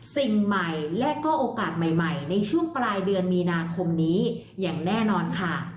สิ่งใหม่และก็โอกาสใหม่ในช่วงปลายเดือนมีนาคมนี้อย่างแน่นอนค่ะ